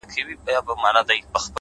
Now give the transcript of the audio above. نور به خبري نه کومه؛ نور به چوپ اوسېږم؛